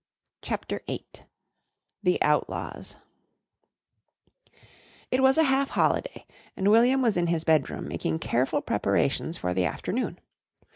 CHAPTER VIII THE OUTLAWS It was a half holiday and William was in his bedroom making careful preparations for the afternoon.